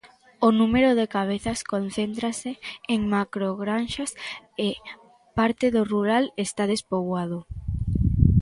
O número de cabezas concéntrase en macrogranxas e parte do rural está despoboado.